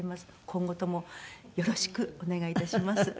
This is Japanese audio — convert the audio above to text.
今後ともよろしくお願いいたします。